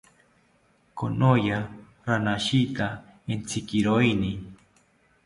Konoya ranashita entzikiroini